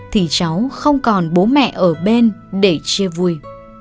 thì cháu không còn bố mẹ ở bên để chia vui